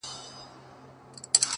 فکر مي وران دی حافظه مي ورانه -